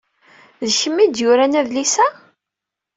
D kemm ay d-yuran adlis-a?